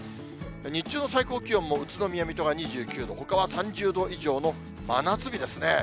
日中の最高気温も宇都宮、水戸が２９度、ほかは３０度以上の真夏日ですね。